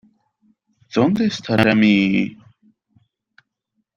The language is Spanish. ¿ Dónde estará mi...?